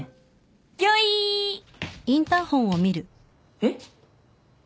えっ？